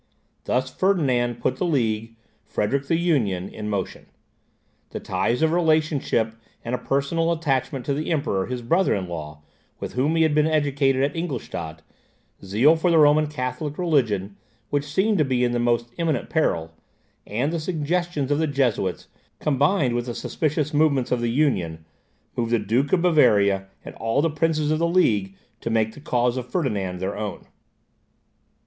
Thus Ferdinand put the League, Frederick the Union, in motion. The ties of relationship and a personal attachment to the Emperor, his brother in law, with whom he had been educated at Ingolstadt, zeal for the Roman Catholic religion, which seemed to be in the most imminent peril, and the suggestions of the Jesuits, combined with the suspicious movements of the Union, moved the Duke of Bavaria, and all the princes of the League, to make the cause of Ferdinand their own.